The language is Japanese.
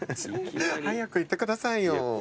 早く言ってくださいよ。